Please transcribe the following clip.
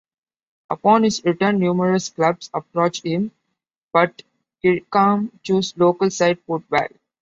Upon his return numerous clubs approached him, but Kirkham chose local side Port Vale.